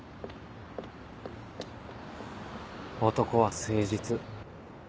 男は誠実。